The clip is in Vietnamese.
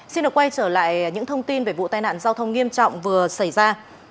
xin được quay trở lại những thông tin về vụ tai nạn giao thông nghiêm trọng vừa xảy ra